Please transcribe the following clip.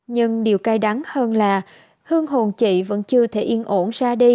nhưng điều cay đắng hơn là hương hồn chị vẫn chưa thể yên ổn ra đi